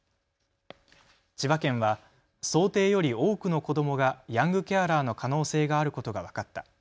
千葉県は想定より多くの子どもがヤングケアラーの可能性があることが分かった。